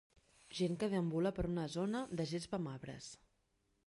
Gent que deambula per una zona de gespa amb arbres.